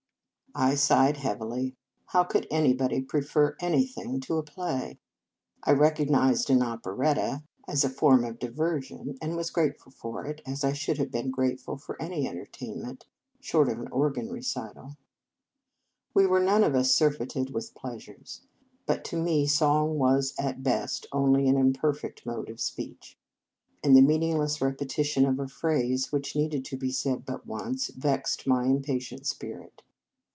I sighed heavily. How could any body prefer anything to a play? I re cognized an operetta as a form of 194 Reverend Mother s Feast diversion, and was grateful for it, as I should have been grateful for any en tertainment, short of an organ recital. We were none of us surfeited with pleasures. But to me song was at best only an imperfect mode of speech; and the meaningless repetition of a phrase, which needed to be said but once, vexed my impatient spirit.